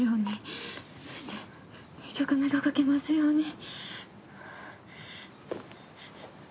そして２曲目が書けますように。